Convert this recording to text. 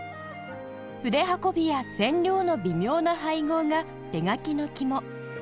筆運びや染料の微妙な配合が手描きの肝